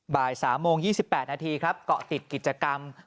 บ่าย๓โมง๒๘นาทีครับเกาะติดกิจกรรม